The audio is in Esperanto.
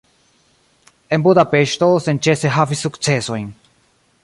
En Budapeŝto senĉese havis sukcesojn.